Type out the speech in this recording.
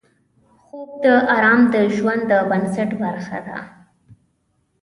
خوب د آرام د ژوند د بنسټ برخه ده